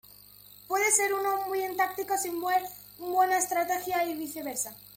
Puede ser uno un buen táctico, sin ser buen estratega, y viceversa.